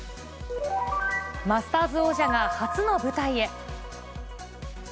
マスターズ王者が初の舞台へ。